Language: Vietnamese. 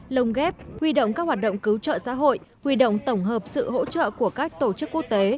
lồng ghép huy động các hoạt động cứu trợ xã hội huy động tổng hợp sự hỗ trợ của các tổ chức quốc tế